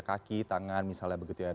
kaki tangan misalnya begitu ya dok ya